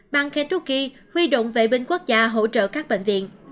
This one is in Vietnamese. bang kentucky huy động vệ binh quốc gia hỗ trợ các bệnh viện